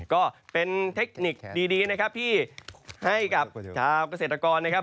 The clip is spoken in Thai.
ก็เป็นเทคนิคดีนะครับที่ให้กับชาวเกษตรกรนะครับ